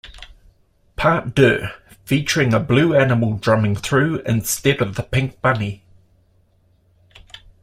Part Deux, featuring a blue animal drumming through instead of the pink bunny.